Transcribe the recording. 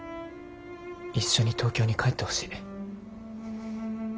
一緒に東京に帰ってほしい。